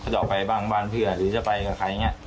ต่อไปบ้างบ้านเพื่อนหรือจะไปกับใครอย่างนี้